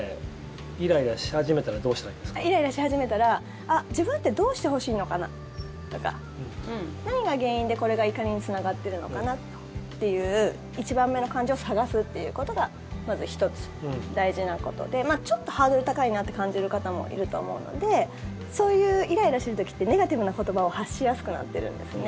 イライラし始めたら自分ってどうしてほしいのかなとか何が原因で、これが怒りにつながってるのかなっていう１番目の感情を探すってことがまず１つ、大事なことでちょっとハードル高いなって感じる方もいると思うのでそういうイライラしてる時ってネガティブな言葉を発しやすくなってるんですね。